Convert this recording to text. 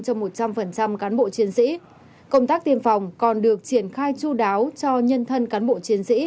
cho một trăm linh cán bộ chiến sĩ công tác tiêm phòng còn được triển khai chú đáo cho nhân thân cán bộ chiến sĩ